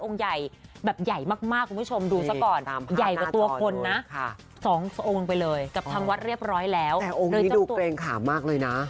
องค์ใหญ่แบบใหญ่มาก